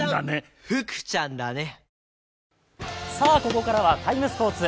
ここからは「ＴＩＭＥ，スポーツ」。